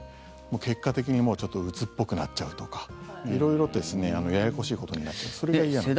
結果的に、ちょっとうつっぽくなっちゃうとか色々ややこしいことになってそれが嫌なところ。